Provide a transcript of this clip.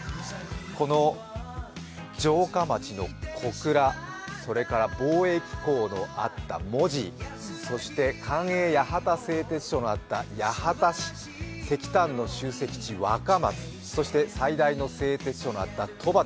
この城下町の小倉、貿易港のあった門司、そして、官営八幡製鉄所のあった八幡石炭の集積地若松、そして、最大の製鉄所のあった戸畑。